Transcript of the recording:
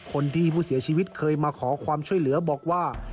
คนที่ผู้เสียชีวิตเคยมาขอความช่วยเหลือบอกว่า